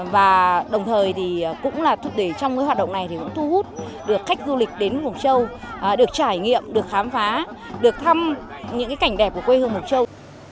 và đồng thời thì cũng là để trong cái hoạt động này thì cũng thu hút được khách du lịch đến mục châu được trải nghiệm được khám phá được thăm những cái cảnh đẹp của quê hương mộc châu